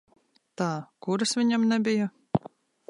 Tā, kuras viņam nebija?